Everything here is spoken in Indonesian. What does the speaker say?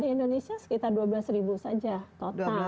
di indonesia sekitar rp dua belas saja total